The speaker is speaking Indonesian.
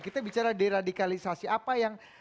kita bicara deradikalisasi apa yang